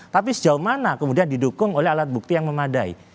tapi sejauh mana kemudian didukung oleh alat bukti yang memadai